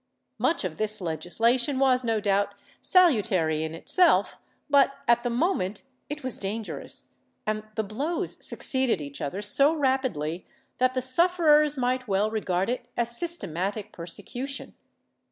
Much of this legislation was no doubt salutary in itself but, at the moment, it was dangerous, and the blows succeeded each other so rapidly that the sufferers might well regard it as systematic persecution.